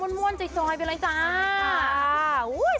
สุดยอดเลยคุณผู้ชมค่ะบอกเลยว่าเป็นการส่งของคุณผู้ชมค่ะ